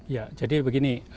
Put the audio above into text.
ya jadi begini